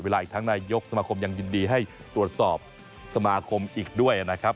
อีกทั้งนายกสมาคมยังยินดีให้ตรวจสอบสมาคมอีกด้วยนะครับ